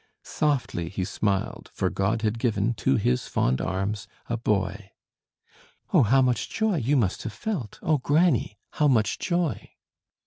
Softly he smiled, for God had given To his fond arms a boy." "Oh, how much joy you must have felt! O granny, how much joy!"